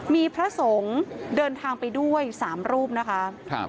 มีพระสงฆ์เดินทางไปด้วย๓รูปนะคะ